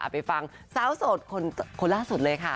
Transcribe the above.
ไปฟังสาวโสดคนล่าสุดเลยค่ะ